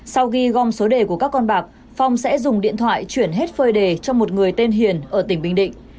sau khi gom số đề của các con bạc phong sẽ dùng điện thoại chuyển hết phơi đề cho một người tên hiền ở tỉnh bình định